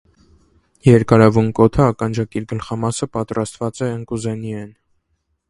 Երկարաւուն կոթը ականջակիր գլխամասը պատրաստուած է ընկուզէնիէն։